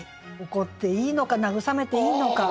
怒っていいのか慰めていいのか。